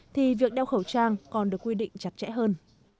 thì việc đeo khẩu trang còn được quy định chặt chẽ hơn